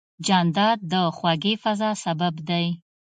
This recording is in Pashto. جانداد د خوږې فضا سبب دی.